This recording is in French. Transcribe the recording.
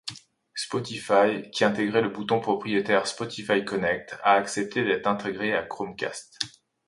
Spotify, qui intégrait le bouton propriétaire Spotify Connect a accepté d’être intégré à Chromecast.